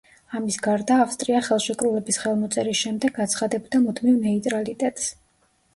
ამის გარდა ავსტრია ხელშეკრულების ხელმოწერის შემდეგ აცხადებდა მუდმივ ნეიტრალიტეტს.